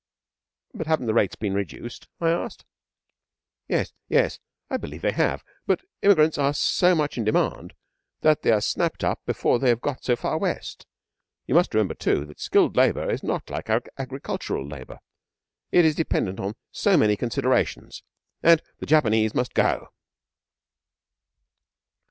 'But haven't the rates been reduced?' I asked. 'Yes yes, I believe they have, but immigrants are so much in demand that they are snapped up before they have got so far West. You must remember, too, that skilled labour is not like agricultural labour. It is dependent on so many considerations. And the Japanese must go.'